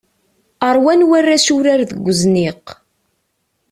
Rwan warrac urar deg uzniq.